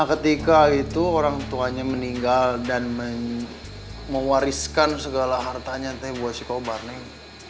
ketika itu orang tuanya meninggal dan mewariskan segala hartanya buat si korban neng